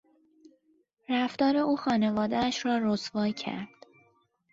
رفتار او خانوادهاش را رسوا کرد.